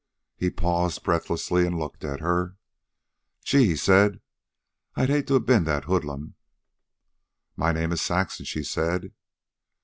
He paused breathlessly and looked at her. "Gee!" he said. "I'd hate to a ben that hoodlum." "My name is Saxon," she said.